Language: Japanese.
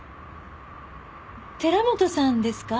寺本さんですか？